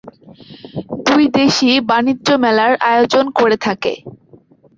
দুই দেশই বাণিজ্য মেলার আয়োজন করে থাকে।